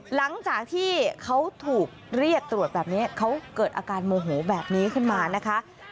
หลังจากที่เขาถูกเรียกตรวจแบบนี้เขาเกิดอาการโมโหแบบนี้ขึ้นมานะคะ